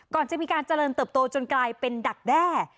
ก่อนจะมีการเจริญเติบโตจนกลายเป็นดักแด้